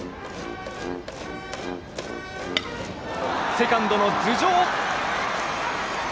セカンドの頭上。